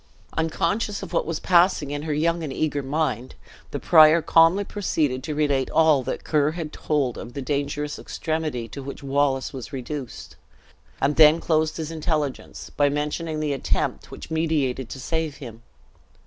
Unconscious of what was passing in her young and eager mind, the prior calmly proceeded to relate all that Ker had told of the dangerous extremity to which Wallace was reduced; and then closed his intelligence, by mentioning the attempt which meditated to save him.